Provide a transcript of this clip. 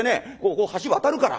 ここ橋渡るから。